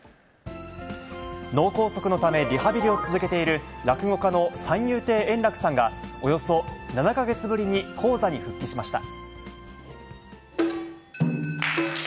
脳梗塞のため、リハビリを続けている落語家の三遊亭円楽さんが、およそ７か月ぶりに高座に復帰しました。